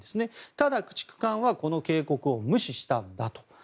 ただ、駆逐艦はこの警告を無視したんだと。